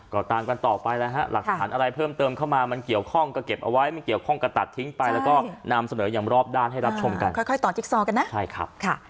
ก่อตามกันต่อไปแล้วฮะหลักฐานอะไรเพิ่มเติมเข้ามามันเกี่ยวข้องก็เก็บเอาไว้มันเกี่ยวข้องก็ตัดทิ้งไปแล้วก็นำเสนอย่างรอบด้านให้รับชมกันค่ะ